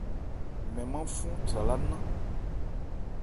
Mɛn mân fɔ́n chralá nnán.